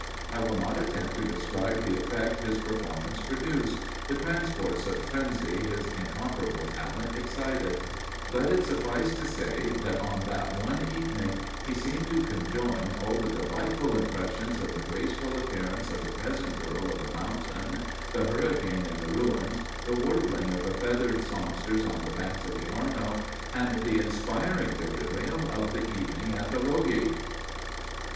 I will not attempt to describe the effect his performance produced the transports of frenzy his incomparable talent excited. Let it suffice to say, that on that one evening, he seemed to conjoin all the delightful impressions of the graceful appearance of the peasant girl of the mountain, the hurricane in the ruins, the warbling of the feathered songsters on the banks of the Arno, and the inspiring delirium of the evening at the Loggie."